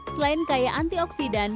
selain kaya antioksidan